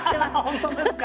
本当ですか？